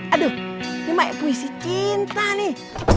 aduh ini main puisi cinta nih